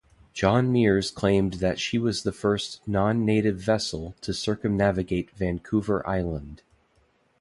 John Meares claimed that she was the first non-native vessel to circumnavigate Vancouver Island.